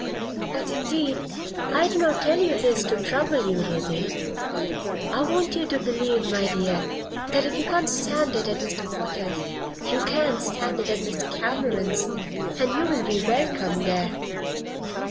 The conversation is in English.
But indeed I do not tell you this to trouble you, Ruthie. I want you to believe, my dear, that if you can't stand it at Mr. Potter's you can stand it at Mr. Cameron's and you'll be welcome there.